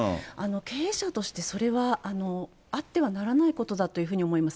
経営者として、それはあってならないことだというふうに思います。